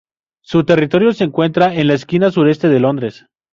Su territorio se encuentra en la esquina sureste de Londres.